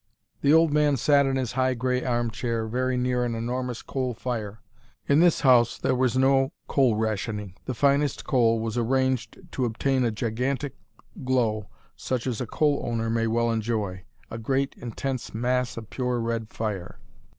The old man sat in his high grey arm chair very near an enormous coal fire. In this house there was no coal rationing. The finest coal was arranged to obtain a gigantic glow such as a coal owner may well enjoy, a great, intense mass of pure red fire.